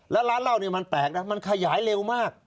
แล้วร้านเหล้าเนี่ยมันแปลกนะมันขยายเร็วมาก